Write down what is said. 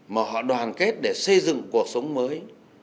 mà họ đoàn kết để xây dựng cuộc sống mới